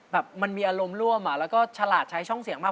มันมีอารมณ์ร่วมแล้วก็ฉลาดใช้ช่องเสียงมาก